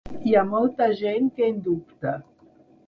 Hi ha molta gent que en dubta.